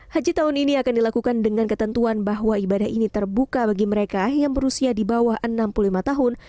haji tahun ini akan dilakukan dengan ketentuan bahwa ibadah ini terbuka bagi mereka yang berusia di bawah enam puluh lima tahun